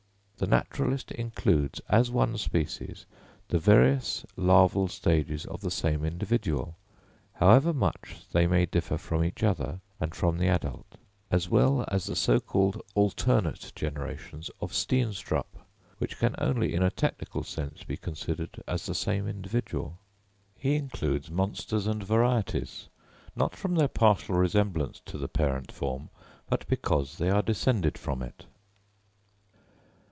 The naturalist includes as one species the various larval stages of the same individual, however much they may differ from each other and from the adult; as well as the so called alternate generations of Steenstrup, which can only in a technical sense be considered as the same individual. He includes monsters and varieties, not from their partial resemblance to the parent form, but because they are descended from it.